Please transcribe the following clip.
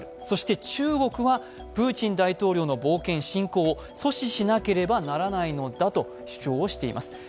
そして中国は、プーチン大統領の冒険を阻止しなければならないのだと主張をしています。